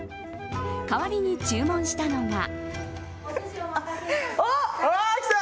代わりに注文したのが。